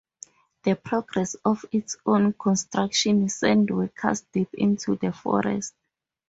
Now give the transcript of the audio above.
The progress of its construction sent workers deep into the forest.